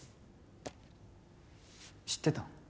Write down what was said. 知ってたん？